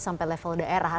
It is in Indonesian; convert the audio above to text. sampai level daerah